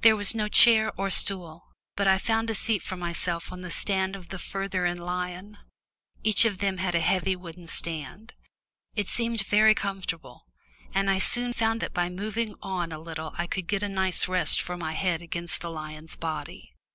There was no chair or stool, but I found a seat for myself on the stand of the farther in lion each of them had a heavy wooden stand. It seemed very comfortable, and I soon found that by moving on a little I could get a nice rest for my head against the lion's body.